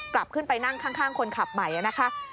กลับขึ้นไปนั่งข้างคนขับใหม่นะคะ